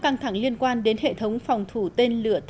công ty du lịch hàn quốc đã đặt một bản thân cho trung quốc